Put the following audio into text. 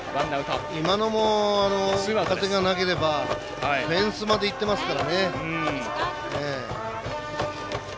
今のも風がなければフェンスまでいってますからね。